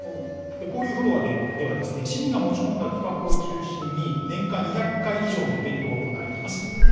交流フロアでは、市民が持ち込んだ企画を中心に、年間２００回以上のイベントが行われています。